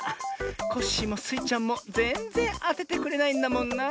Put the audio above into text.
コッシーもスイちゃんもぜんぜんあててくれないんだもんな。